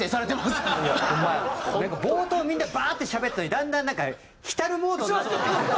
なんか冒頭みんなバーッてしゃべってたのにだんだんなんか浸るモードになって。